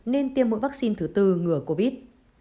nên tiêm mũi vaccine thứ bốn ngừa covid